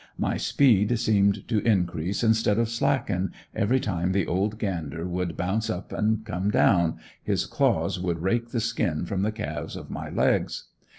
My speed seemed to increase instead of slacken, every time the old gander would bounce up and come down, his claws would rake the skin from the calves of my legs.